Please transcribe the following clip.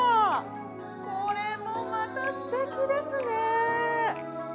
これもまたすてきですね。